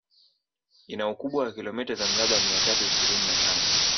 Ina ukubwa wa kilometa za mraba mia tatu ishirini na tano